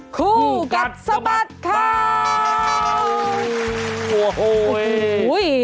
คู่กัดสมัครข้าวโอ้โหเฮ้ย